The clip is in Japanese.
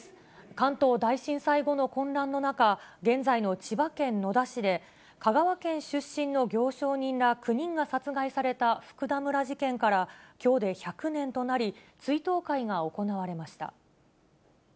関東大震災後の混乱の中、現在の千葉県野田市で、香川県出身の行商人ら９人が殺害された福田村事件からきょうで１００年となり、追悼会が行われました。